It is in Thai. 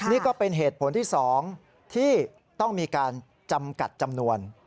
นี่ก็เป็นเหตุผลที่๒ที่ต้องมีการจำกัดจำนวน